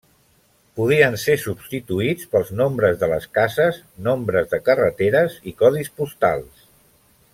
Podien ser substituïts pels nombres de les cases, nombres de carreteres i codis postals.